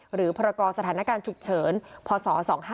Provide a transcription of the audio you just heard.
หรือภาระกรสถานการณ์ฉุกเฉินพศ๒๕๔๘